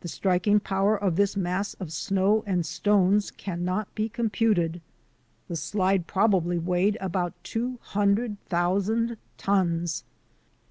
The striking power of this mass of snow and stones cannot be computed. The slide prob ably weighed about two hundred thousand tons.